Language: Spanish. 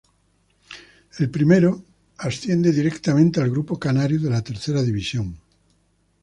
El primero de asciende directamente al grupo canario de la Tercera División.